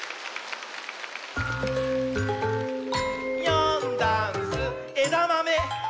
「よんだんす」「えだまめ」！